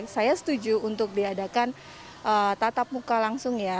saya setuju untuk diadakan tatap muka langsung ya